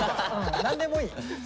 何でもいい。